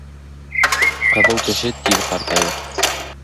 Ҡыҙыу кеше тиҙ ҡартайыр.